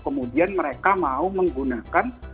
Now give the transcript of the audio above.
kemudian mereka mau menggunakan